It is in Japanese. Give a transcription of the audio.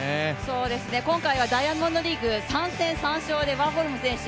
今回はダイヤモンドリーグ３戦３勝でワーホルム選手